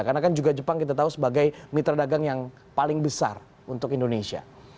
karena kan juga jepang kita tahu sebagai mitra dagang yang paling besar untuk indonesia